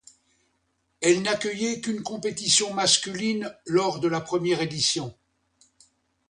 Elle n’accueillait qu'une compétition masculine lors de la première édition.